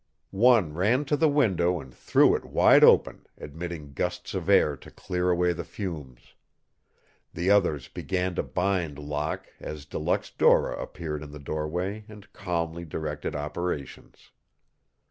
One ran to the window and threw it wide open, admitting gusts of air to clear away the fumes. The others began to bind Locke as De Luxe Dora appeared in the doorway and calmly directed operations.